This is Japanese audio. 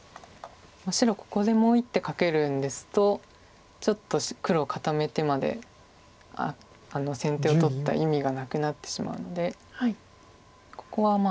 白ここでもう一手かけるんですとちょっと黒を固めてまで先手を取った意味がなくなってしまうのでここは。